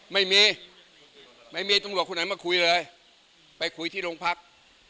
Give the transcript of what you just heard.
ไม่มีไม่มีตำรวจคนไหนมาคุยเลยไปคุยที่โรงพัก